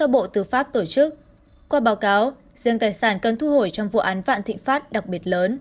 bộ tư pháp tổ chức qua báo cáo riêng tài sản cần thu hồi trong vụ án vạn thịnh pháp đặc biệt lớn